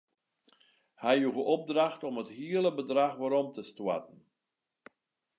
Hy joech opdracht om it hiele bedrach werom te stoarten.